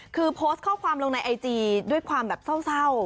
คือโพสต์ข้อความลงในไอจีด้วยความแบบเศร้า